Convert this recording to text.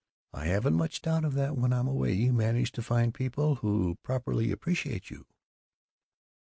"I haven't much doubt that when I'm away you manage to find people who properly appreciate you."